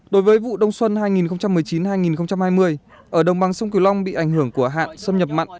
đối với vụ đông xuân hai nghìn một mươi chín hai nghìn hai mươi ở đồng bằng sông cửu long bị ảnh hưởng của hạn xâm nhập mặn